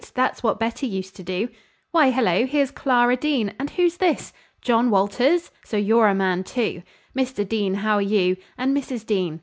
That's what Betty used to do. Why, hello! here's Clara Dean, and who's this? John Walters? So you're a man, too! Mr. Dean, how are you? And Mrs. Dean!